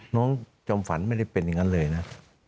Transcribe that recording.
จอมฝันไม่ได้เป็นอย่างนั้นเลยนะ